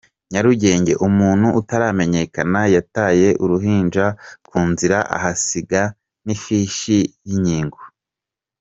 Nyarugenge: Umuntu utaramenyekana yataye uruhinja ku nzira ahasiga n’ ifishi y’ inkigo .